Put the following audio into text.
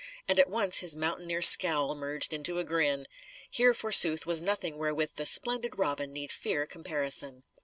And at once his mountaineer scowl merged into a grin. Here, forsooth, was nothing wherewith the splendid Robin need fear comparison.